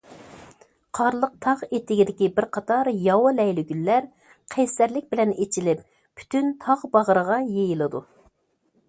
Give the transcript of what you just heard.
قارلىق تاغ ئېتىكىدىكى بىر قاتار ياۋا لەيلىگۈللەر قەيسەرلىك بىلەن ئېچىلىپ، پۈتۈن تاغ باغرىغا يېيىلىدۇ.